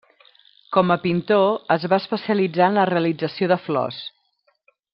Com a pintor es va especialitzar en la realització de flors.